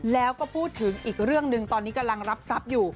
แล้วก็พูดถึงอีกเรื่องหนึ่งตอนนี้กำลังรับทรัพย์อยู่